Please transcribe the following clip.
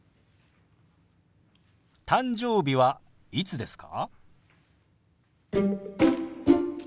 「誕生日はいつですか？」。